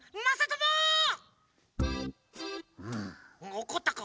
おこったかお。